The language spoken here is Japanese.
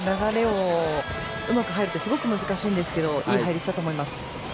うまく入るってすごく難しいんですがいい入りをしたと思います。